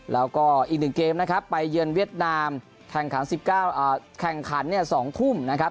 แล้วก็อีก๑เกมนะครับไปเยือนเวียดนามแข่งขัน๑๙แข่งขัน๒ทุ่มนะครับ